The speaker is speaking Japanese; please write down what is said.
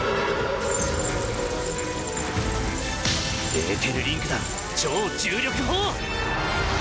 エーテルリンク弾超重力砲！